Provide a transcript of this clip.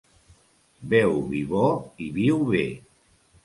Beu vi bo i viu bé.